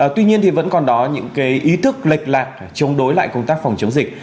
tuy nhiên thì vẫn còn đó những ý thức lệch lạc chống đối lại công tác phòng chống dịch